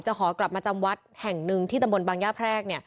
ขอกลับมาจำวัดแห่งหนึ่งที่ตำบลบางย่าแพรก